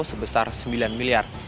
sebesar sembilan miliar